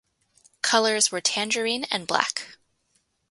Colours were tangerine and black.